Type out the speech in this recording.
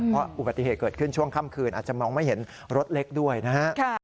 เพราะอุบัติเหตุเกิดขึ้นช่วงค่ำคืนอาจจะมองไม่เห็นรถเล็กด้วยนะฮะ